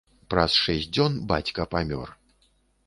Праз шэсць дзён бацька памёр.